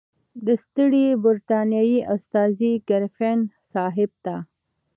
د ستري برټانیې استازي ګریفین صاحب ته.